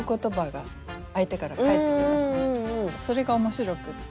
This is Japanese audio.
それが面白くって。